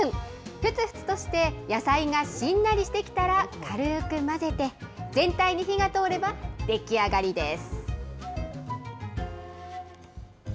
ふつふつとして野菜がしんなりしてきたら、軽く混ぜて、全体に火が通れば出来上がりです。